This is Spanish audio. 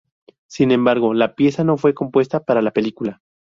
Sin embargo, la pieza no fue compuesta para la película.